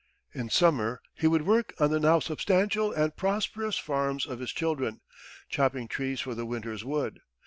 In summer he would work on the now substantial and prosperous farms of his children, chopping trees for the winter's wood.